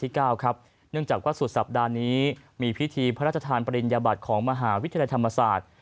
เนื่องจากว่าสุดสัปดาห์นี้มีพิธีพระราชทานปริญญบัติของมหาวิทยาลัยธรรมศาสตร์